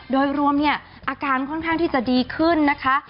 โดยรวมเนี่ยอาการค่อนข้างที่จะดีขึ้นนะคะ